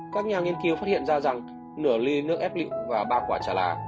các nhà nghiên cứu phát hiện ra rằng nửa ly nước ép liệu và ba quả trà lá